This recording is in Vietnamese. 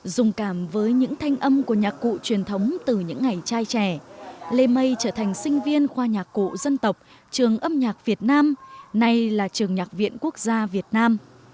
dùng cảm với những thanh âm của nhạc cụ truyền thống từ những ngày trai trẻ lê mây trở thành sinh viên khoa nhạc cụ dân tộc trường âm nhạc việt nam nay là trường nhạc viện quốc gia việt nam